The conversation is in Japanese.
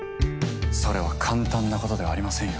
それは簡単なことではありませんよ。